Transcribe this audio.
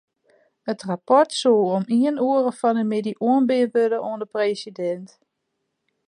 It rapport soe om ien oere fan 'e middei oanbean wurde oan de presidint.